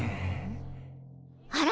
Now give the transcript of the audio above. あら？